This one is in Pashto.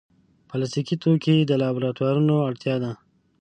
پلاستيکي توکي د لابراتوارونو اړتیا ده.